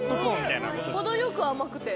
程よく甘くて。